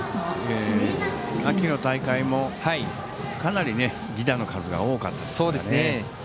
秋の大会もかなり犠打の数が多かったですね。